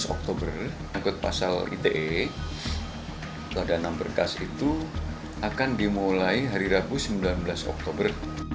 tujuh belas oktober anggota pasal ite dan berkas itu akan dimulai hari rabu sembilan belas oktober